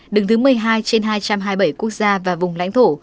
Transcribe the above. đứng thứ một mươi hai trên hai trăm hai mươi bảy quốc gia và vùng lãnh thổ